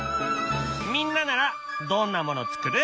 みんなならどんなもの作る？